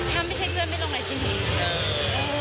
ถ้าไม่ใช่เพื่อนไม่ต้องอะไรกันอีก